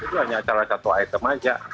itu hanya salah satu item saja